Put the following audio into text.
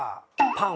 パン？